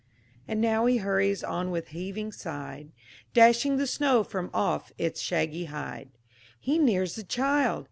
And now he hurries on with heaving side, Dashing the snow from off its shaggy hide; He nears the child!